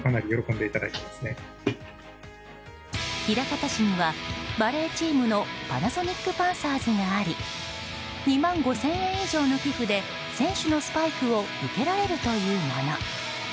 枚方市にはバレーチームのパナソニック・パンサーズがあり２万５０００円以上の寄付で選手のスパイクを受けられるというもの。